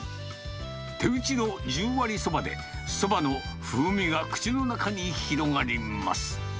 手打ちの１０割そばで、そばの風味が口の中に広がります。